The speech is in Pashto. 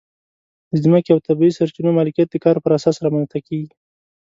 د ځمکې او طبیعي سرچینو مالکیت د کار پر اساس رامنځته کېږي.